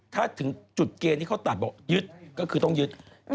ถ้าถึงจุดเกณฑ์ที่เขาตัดบอกยึดก็คือต้องยึด